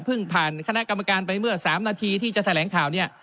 ผ่านคณะกรรมการไปเมื่อ๓นาทีที่จะแถลงข่าวเนี่ย